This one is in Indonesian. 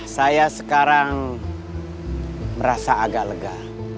saya sekarang merasa agak lega